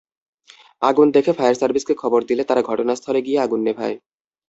আগুন দেখে ফায়ার সার্ভিসকে খবর দিলে তারা ঘটনাস্থলে গিয়ে আগুন নেভায়।